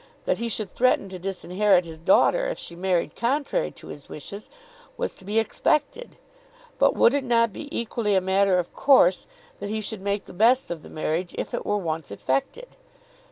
That he should threaten to disinherit his daughter if she married contrary to his wishes was to be expected. But would it not be equally a matter of course that he should make the best of the marriage if it were once effected?